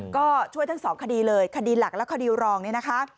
ก็ช่วยทั้งสองคดีเลยคดีหลักและคดีรองเนี่ยนะคะ